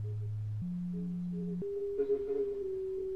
সেখানে একটি মারপিটের ঘটনায় গ্রামের কিছু যুবকের সঙ্গে তাঁর বিরোধ তৈরি হয়।